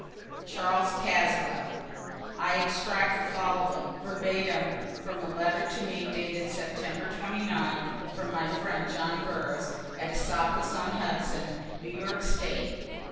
CHARLES CASWELL. [I extract the following, verbatim, from a letter to me dated September 29, from my friend John Burroughs, at Esopus on Hudson, New York State.